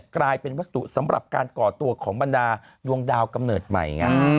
กลายเป็นวัสดุสำหรับการก่อตัวของบรรดาดวงดาวกำเนิดใหม่ไง